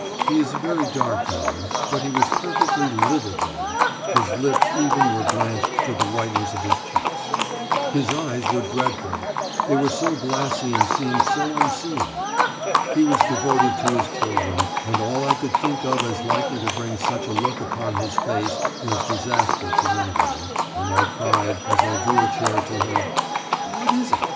He is a very dark man, but be was perfectly livid then his lips even were blanched to the whiteness of his cheeks. His eyes were dreadful, they were so glassy and seemed so unseeing. He was devoted to his children, and all I could think of as likely to bring such a look upon his face was disaster to one of them, and I cried, as I drew a chair to him: "What is it?